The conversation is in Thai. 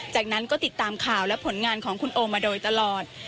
จากนั้นก็ติดตามข่าวและผลงานของคุณโอมาโดยตลอด